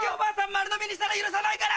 丸のみにしたら許さないから！